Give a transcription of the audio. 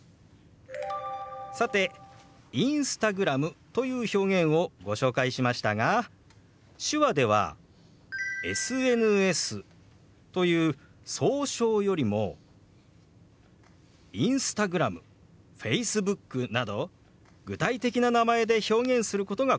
さてＩｎｓｔａｇｒａｍという表現をご紹介しましたが手話では「ＳＮＳ」という総称よりも「Ｉｎｓｔａｇｒａｍ」「Ｆａｃｅｂｏｏｋ」など具体的な名前で表現することが好まれるんです。